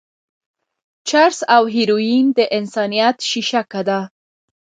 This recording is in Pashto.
چرس او هيروين د انسانيت شېشکه ده.